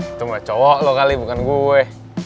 itu mah cowok lo kali bukan gue